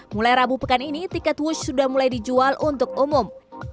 mulai rabu pekan ini tiket wush sudah mulai dijual untuk umum